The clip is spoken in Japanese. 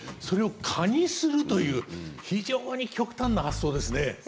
それを蚊にするという非常に極端な発想ですね。